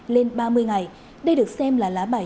lên ba mươi ngày đây được xem là lá bài